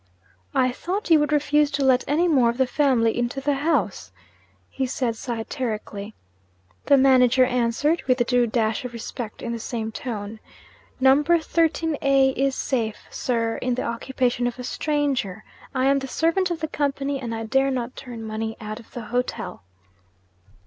'I thought you would refuse to let any more of the family into the house,' he said satirically. The manager answered (with the due dash of respect) in the same tone. 'Number 13 A is safe, sir, in the occupation of a stranger. I am the servant of the Company; and I dare not turn money out of the hotel.'